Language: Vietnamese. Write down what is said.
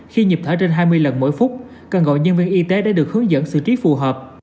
khi nhịp thở trên hai mươi lần mỗi phút cần gọi nhân viên y tế để được hướng dẫn xử trí phù hợp